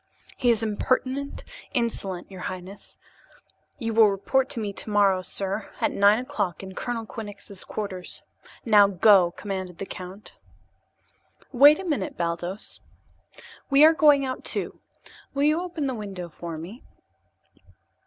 "He is impertinent, insolent, your highness. You will report to me tomorrow, sir, at nine o'clock in Colonel Quinnox's quarters. Now, go!" commanded the count. "Wait a minute, Baldos. We are going out, too. Will you open that window for me?"